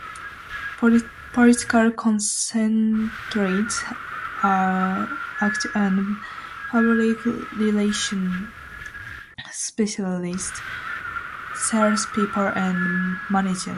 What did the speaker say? Political consultants act as public relations specialists, salespeople and managers.